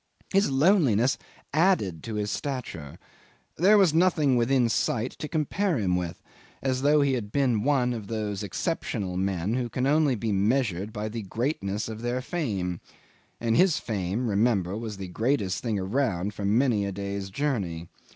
His loneliness added to his stature. There was nothing within sight to compare him with, as though he had been one of those exceptional men who can be only measured by the greatness of their fame; and his fame, remember, was the greatest thing around for many a day's journey.